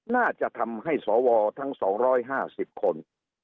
น่าจะทำให้สวทั้ง๒๕๐คน